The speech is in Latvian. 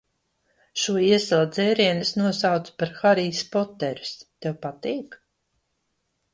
Šo iesala dzērienu es nosaucu par "Harijs Porteris". Tev patīk?